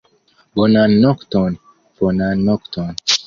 Bonan nokton, bonan nokton.